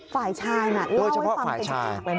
ฝ่ายชายนะโดยเฉพาะฝ่ายชาย